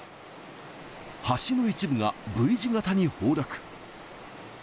橋の一部がＶ字型に崩落。